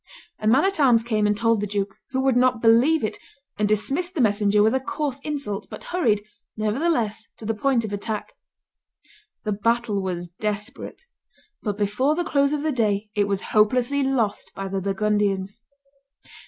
A man at arms came and told the duke, who would not believe it, and dismissed the messenger with a coarse insult, but hurried, nevertheless, to the point of attack. The battle was desperate; but before the close of the day it was hopelessly lost by the Burgundians.